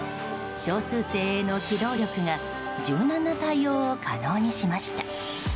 少数精鋭の機動力が柔軟な対応を可能にしました。